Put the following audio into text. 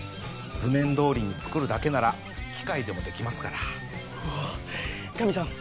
図面どおりに作るだけなら機械でもできますからうわっガミさん